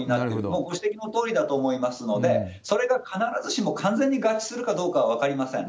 もうご指摘のとおりだと思いますので、それが必ずしも完全に合致するかどうかは分かりません。